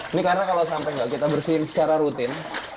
ini karena kalau sampahnya kita bersihin secara rutin